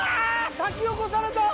先を越された！